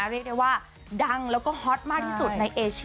เรียกได้ว่าดังแล้วก็ฮอตมากที่สุดในเอเชีย